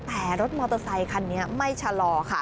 แต่รถมอเตอร์ไซคันนี้ไม่ชะลอค่ะ